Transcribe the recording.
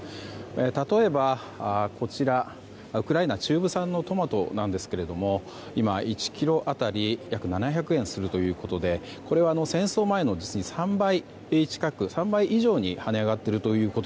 例えばウクライナ中部産のトマトですが今、１ｋｇ当たり約７００円するということで戦争前の３倍以上に跳ね上がっていると。